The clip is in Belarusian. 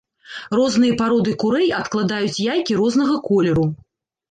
Розныя пароды курэй адкладаюць яйкі рознага колеру.